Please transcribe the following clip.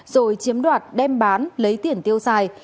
rồi chiếm đoạt đem bán lấy tiền tiêu xài